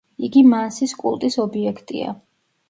იგი მანსის კულტის ობიექტია.